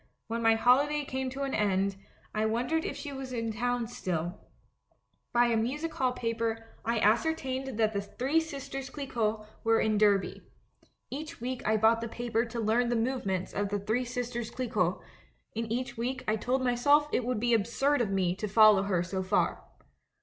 When my holiday came to an end, I wondered if she was in town still. By a music hall paper, I ascertained that The Three A LETTER TO THE DUCHESS 191 Sisters Clicquot were in Derby. Each week I bought the paper to learn the movements of The Three Sisters Clicquot; and each week I told myself it would be absurd of me to follow her sa far.